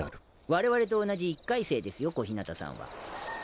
われわれと同じ１回生ですよ小日向さんは。